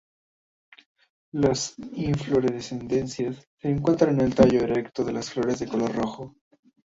Las inflorescencias se encuentran en un tallo erecto con flores de color rojo.